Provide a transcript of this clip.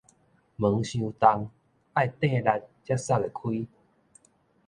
門傷重，愛瞪力才捒會開